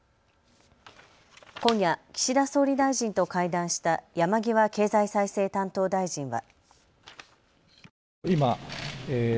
今夜、岸田総理大臣と会談した山際経済再生担当大臣は。